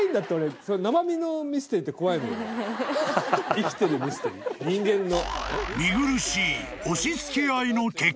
生きてるミステリー人間の。